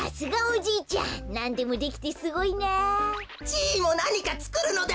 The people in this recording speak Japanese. じいもなにかつくるのだ！